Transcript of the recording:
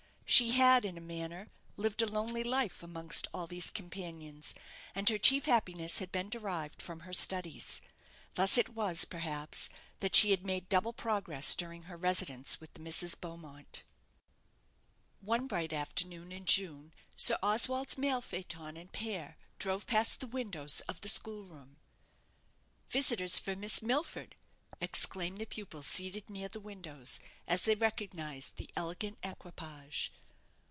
She had, in a manner, lived a lonely life amongst all these companions, and her chief happiness had been derived from her studies. Thus it was, perhaps, that she had made double progress during her residence with the Misses Beaumont. One bright afternoon in June, Sir Oswald's mail phaeton and pair drove past the windows of the school room. "Visitors for Miss Milford!" exclaimed the pupils seated near the windows, as they recognized the elegant equipage.